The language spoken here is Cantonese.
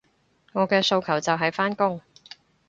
我嘅訴求就係返工